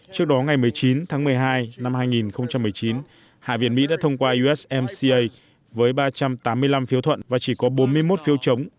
trước đó ngày một mươi chín tháng một mươi hai năm hai nghìn một mươi chín hạ viện mỹ đã thông qua usmca với ba trăm tám mươi năm phiếu thuận và chỉ có bốn mươi một phiếu chống